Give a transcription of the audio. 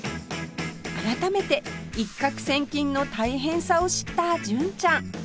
改めて一獲千金の大変さを知った純ちゃん